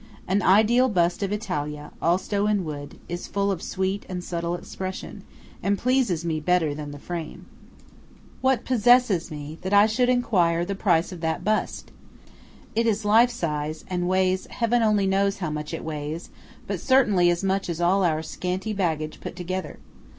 An ideal bust of Italia, also in wood, is full of sweet and subtle expression, and pleases me better than the frame. What possesses me, that I should enquire the price of that bust? It is life size, and weighs–heaven only knows how much it weighs, but certainly as much as all our scanty baggage put together!